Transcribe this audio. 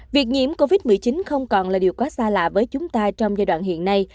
việc nhiễm covid một mươi chín không còn là điều quá xa lạ với chúng ta trong giai đoạn hiện nay